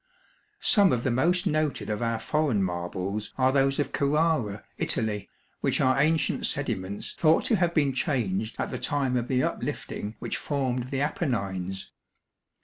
Some of the most noted of our foreign marbles are those of Carrara, Italy, which are ancient sediments thought to have been changed at the time of the uplifting which formed the Apennines.